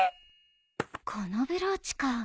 このブローチか。